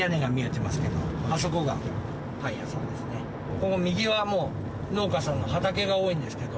この右はもう農家さんの畑が多いんですけど。